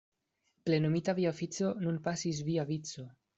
Plenumita via ofico, nun pasis via vico!